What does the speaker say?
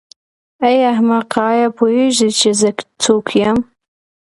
ای احمقه آیا پوهېږې چې زه څوک یم.